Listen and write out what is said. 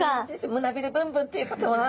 胸びれブンブンっていうことは。